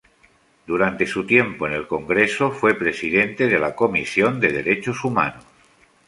Durante su tiempo en el Congreso fue presidente de la comisión de derechos humanos.